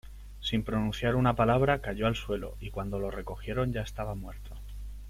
Sin pronunciar una palabra cayó al suelo y cuando lo recogieron ya estaba muerto.